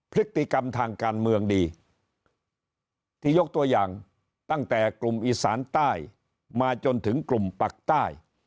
พฤติกรรมทางการเมืองดีที่ยกตัวอย่างตั้งแต่กลุ่มอีสานใต้มาจนถึงกลุ่มปักใต้